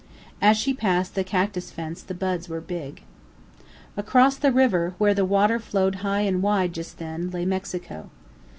As she passed the cactus fence the buds were big. Across the river, where the water flowed high and wide just then, lay Mexico.